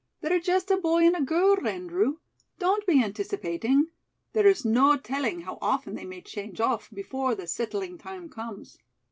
"They're just a boy and a girl, Andrew. Don't be anticipating. There's no telling how often they may change off before the settling time comes."